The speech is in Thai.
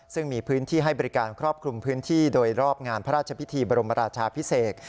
ซึ่งมีพื้นที่ให้บริการครอบคลุมพื้นที่โดยรอบงานพระราชพิธีบรมราชาพิเศษ